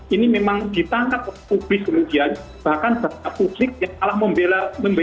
ini memang di tangkap oleh publik kemudian bahkan bahkan publik yang salah membela